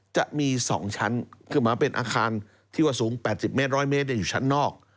จะมี๒ชั้นคือหมายเป็นอาคารที่ว่าสูง๘๐เมตร๑๐๐เมตรอยู่ชั้นนอก